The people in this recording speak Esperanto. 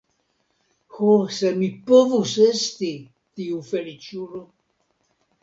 Ho, se mi povus esti tiu feliĉulo!